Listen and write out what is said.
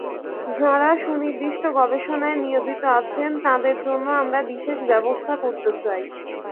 যাঁরা সুনির্দিষ্ট গবেষণায় নিয়োজিত আছেন, তাঁদের জন্য আমরা বিশেষ ব্যবস্থা করতে চাই।